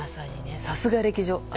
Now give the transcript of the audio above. さすが歴女。